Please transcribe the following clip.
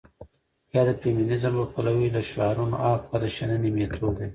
يا د فيمنيزم په پلوۍ له شعارونو هاخوا د شننې مېتود دى.